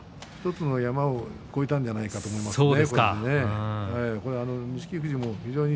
１つの山を越えたんじゃないかと思いますね